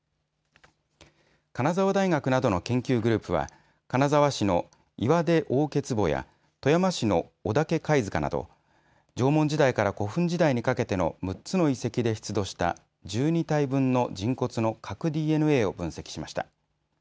金沢大学などの研究グループは金沢市の岩出横穴墓や富山市の小竹貝塚など縄文時代から古墳時代にかけての６つの遺跡で出土した１２体分の人骨の核ＤＮＡを分析しました。